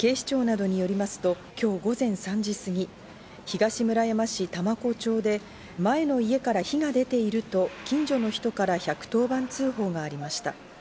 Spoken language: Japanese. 警視庁などによりますと、今日午前３時すぎ、東村山市多摩湖町で前の家から火が出ていると近所の人から１１０番通報がありました。